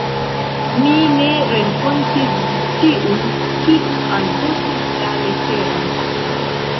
Mi ne renkontis tiun, kiu alportis la leteron.